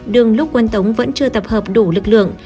đường lúc quân tống vẫn chưa tập hợp đủ lực lượng